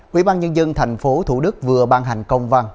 quỹ ban nhân dân thành phố thủ đức vừa ban hành công văn